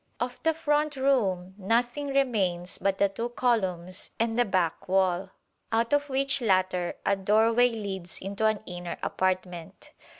Of the front room nothing remains but the two columns and the back wall, out of which latter a doorway leads into an inner apartment.